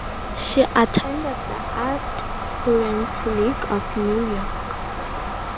She attended the Art Students League of New York.